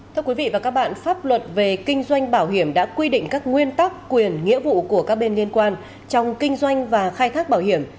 thưa quý vị và các bạn pháp luật về kinh doanh bảo hiểm đã quy định các nguyên tắc quyền nghĩa vụ của các bên liên quan trong kinh doanh và khai thác bảo hiểm